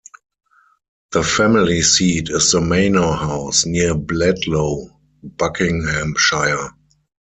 The family seat is The Manor House, near Bledlow, Buckinghamshire.